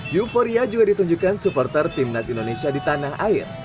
euforia juga ditunjukkan supporter timnas indonesia di tanah air